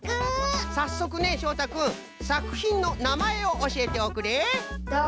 さっそくねしょうたくんさくひんのなまえをおしえておくれ。